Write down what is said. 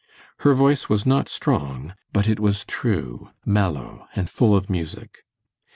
Her voice was not strong, but it was true, mellow, and full of music.